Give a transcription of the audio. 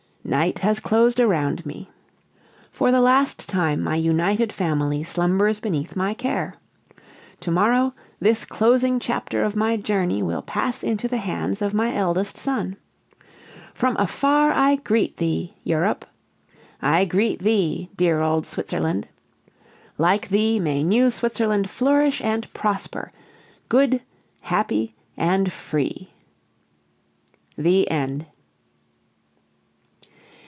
Night has closed around me. For the last time my united family slumbers beneath my care. To morrow this closing chapter of my journey will pass into the hands of my eldest son. From afar I greet thee, Europe! I greet thee, dear old Switzerland! Like thee, may New Switzerland flourish and prosper good, happy, and free! THE END.